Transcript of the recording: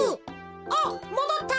おっもどった！